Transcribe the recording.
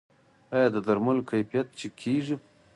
آیا د درملو کیفیت چک کیږي؟